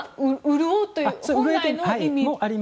潤うという本来の意味。